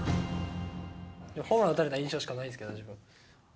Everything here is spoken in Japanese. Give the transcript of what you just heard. ホームラン打たれた印象しかないですけどね、自分。